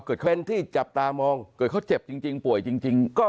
เกิดเขาเจ็บจริงป่วยจริงมีโรคจริง